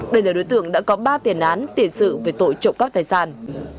đây là đối tượng đã có ba tiền án tiền sự về tội trộm cắp tài sản